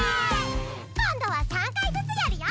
こんどは３かいずつやるよ！